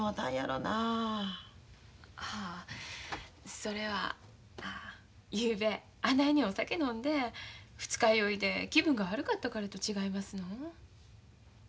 それはゆうべあないにお酒飲んで二日酔いで気分が悪かったからと違いますのん？